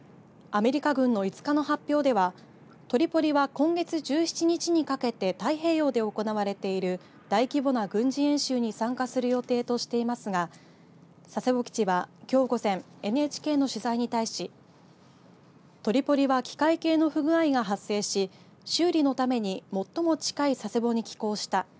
アメリカ軍の５日の発表ではトリポリは今月１７日にかけて太平洋で行われている大規模な軍事演習に参加する予定としていますが佐世保基地はきょう午前ＮＨＫの取材に対しトリポリは機械系の不具合が発生し修理のために最も近い佐世保に寄港した。